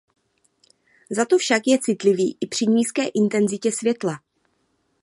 Zato však je citlivý i při nízké intenzitě světla.